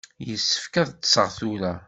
Yessefk ad ṭṭseɣ tura.